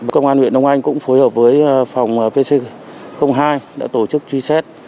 công an huyện đông anh cũng phối hợp với phòng pc hai đã tổ chức truy xét